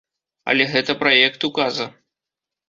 Але гэта праект указа.